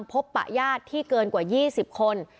ปะญาติที่เกินกว่า๒๐คน